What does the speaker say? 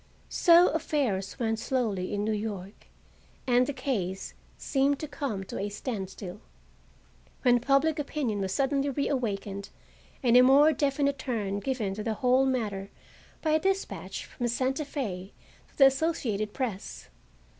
So affairs went slowly in New York and the case seemed to come to a standstill, when public opinion was suddenly reawakened and a more definite turn given to the whole matter by a despatch from Santa Fe to the Associated Press.